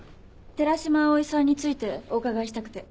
寺島葵さんについてお伺いしたくて。